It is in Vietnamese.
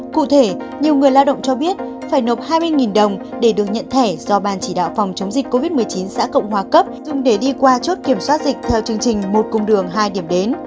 cụ thể nhiều người lao động cho biết phải nộp hai mươi đồng để được nhận thẻ do ban chỉ đạo phòng chống dịch covid một mươi chín xã cộng hòa cấp dùng để đi qua chốt kiểm soát dịch theo chương trình một cung đường hai điểm đến